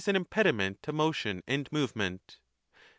an impediment to motion and movement.